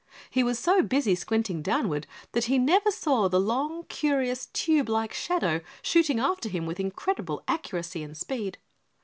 He was so busy squinting downward that he never saw the long curious tube like shadow shooting after him with incredible accuracy and speed.